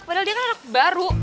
padahal dia kan anak baru